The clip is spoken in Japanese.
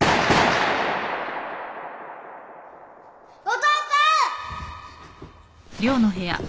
お父さん！